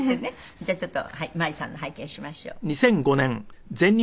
じゃあちょっと舞さんの拝見しましょう。